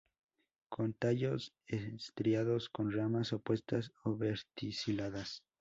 Con tallos estriados, con ramas opuestas o verticiladas.